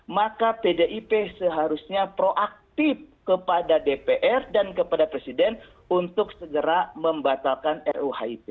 maka pdip seharusnya proaktif kepada dpr dan kepada presiden untuk segera membatalkan ruhip